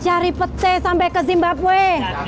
cari pece sampai ke zimbabwe